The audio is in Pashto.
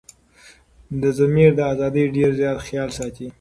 دضمير دازادي ډير زيات خيال ساتي